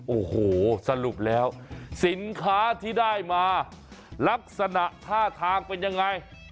โอ้โหสรุปแล้วสินค้าที่ได้มาลักษณะท่าทางเป็นยังไง